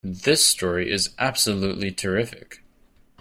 This story is absolutely terrific!